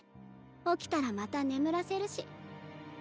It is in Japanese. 起きたらまた眠らせるし。